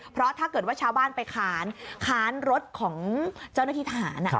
เพราะถ้าเกิดว่าชาวบ้านไปค้านค้านรถของเจ้าหน้าที่ทหาร